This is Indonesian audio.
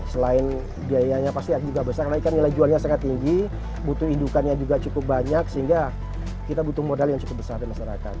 selain biayanya pasti juga besar karena ikan nilai jualnya sangat tinggi butuh indukannya juga cukup banyak sehingga kita butuh modal yang cukup besar di masyarakat